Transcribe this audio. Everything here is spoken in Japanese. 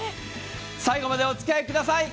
最後までおつきあいください。